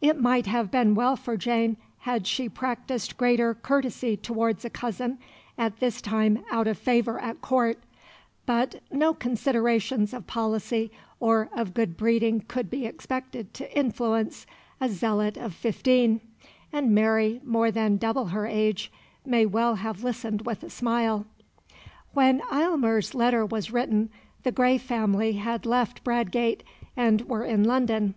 It might have been well for Jane had she practised greater courtesy towards a cousin at this time out of favour at Court; but no considerations of policy or of good breeding could be expected to influence a zealot of fifteen, and Mary, more than double her age, may well have listened with a smile. When Aylmer's letter was written, the Grey family had left Bradgate and were in London.